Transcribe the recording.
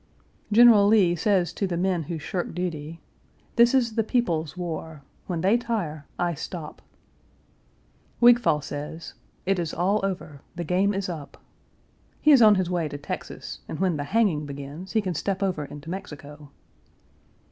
General Lee says to the men who shirk duty, "This is the people's war; when they tire, I stop." Wigfall says, "It is all over; the game is up." He is on his way to Texas, and when the hanging begins he can step over into Mexico.